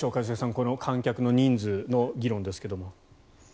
この観客の人数の議論ですが。